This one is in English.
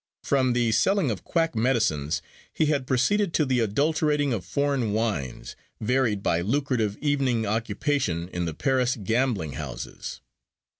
From the selling of quack medicines he had proceeded to the adulterating of foreign wines, varied by lucrative evening occupation in the Paris gambling houses.